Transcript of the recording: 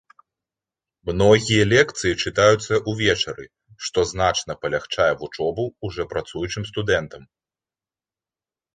Многія лекцыі чытаюцца ўвечары, што значна палягчае вучобу ўжо працуючым студэнтам.